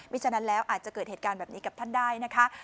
ไม่ฉะนั้นแล้วจะเกิดเหตุการณ์แบบนี้กับท่านได้